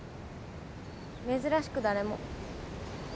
珍しく誰も。